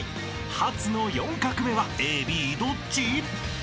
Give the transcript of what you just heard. ［発の４画目はＡＢどっち？］